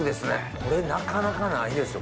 これなかなかないですよ